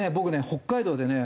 北海道でね